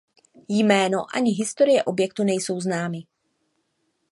Jméno ani historie objektu nejsou známy.